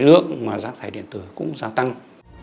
nước mà rác thải điện tử cũng gia tăng